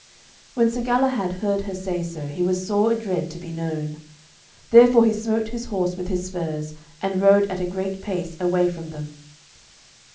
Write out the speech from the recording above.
When Sir Galahad heard her say so, he was sore adread to be known. Therefore he smote his horse with his spurs, and rode at a great pace away from them.